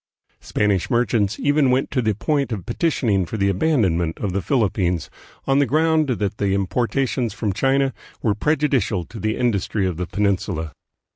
Spanish merchants even went to the point of petitioning for the abandonment of the Philip pines, on the ground that the importations from China were prejudicial to the industry of the Peninsula.